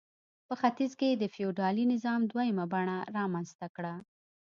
په ختیځ کې یې د فیوډالي نظام دویمه بڼه رامنځته کړه.